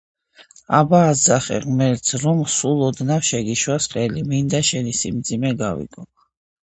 აბა, ასძახე ღმერთს, რომ სულ ოდნავ შეგიშვას ხელი, მინდა შენი სიმძიმე გავიგოო.